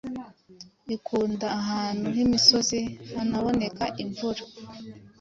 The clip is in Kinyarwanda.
ikunda ahantu h’imisozi hanaboneka imvura